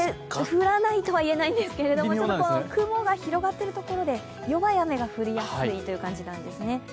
降らないとは言えないんですが、雲が広がっているところで弱い雨が降りやすいんですね。